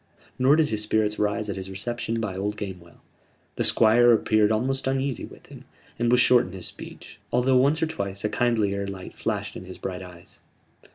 Nor did his spirits rise at his reception by old Gamewell. The Squire appeared almost uneasy with him; and was short in his speech, although once or twice a kindlier light flashed in his bright eyes.